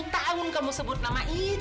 dua puluh tahun kamu sebut nama itu